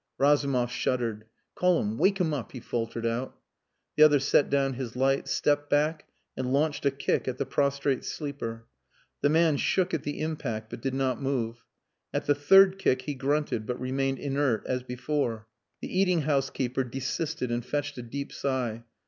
Razumov shuddered. "Call him, wake him up," he faltered out. The other set down his light, stepped back and launched a kick at the prostrate sleeper. The man shook at the impact but did not move. At the third kick he grunted but remained inert as before. The eating house keeper desisted and fetched a deep sigh.